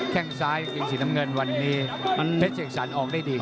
แค่งซ้ายเกงสีน้ำเงินวันนี้มันเพชรเสกสรรออกได้ดี